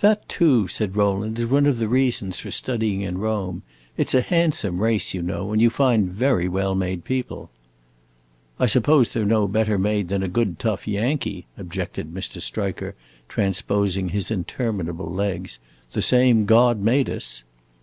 "That too," said Rowland, "is one of the reasons for studying in Rome. It 's a handsome race, you know, and you find very well made people." "I suppose they 're no better made than a good tough Yankee," objected Mr. Striker, transposing his interminable legs. "The same God made us."